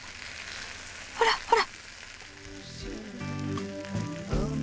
ほらほら。